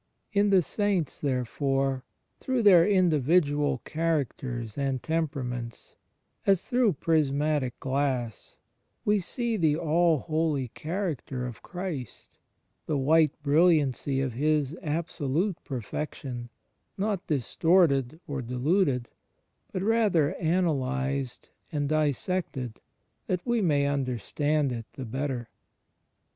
In the saints, therefore — through their individual characters and temperaments, as through prismatic glass — we see the All holy Character of Christ, the white brilliancy of His Absolute Perfection, not distorted or diluted, but rather analysed and dis sected that we may understand it the better.